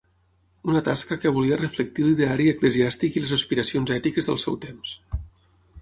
Una tasca que volia reflectir l'ideari eclesiàstic i les aspiracions ètiques del seu temps.